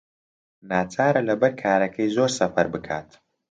ناچارە لەبەر کارەکەی زۆر سەفەر بکات.